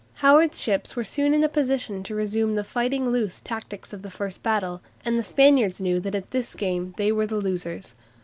Howard's ships were soon in a position to resume the "fighting loose" tactics of the first battle, and the Spaniards knew that at this game they were the losers.